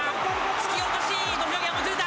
突き落とし、土俵際、もつれた。